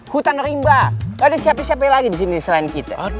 hutan rimba gak ada siapa siapa lagi disini selain kita